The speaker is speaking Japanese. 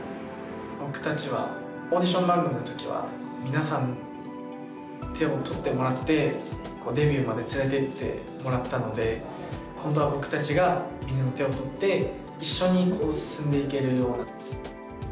僕たちはオーディション番組の時は皆さんに手を取ってもらってデビューまで連れていってもらったので今度は僕たちがみんなの手を取って一緒に進んでいけるような。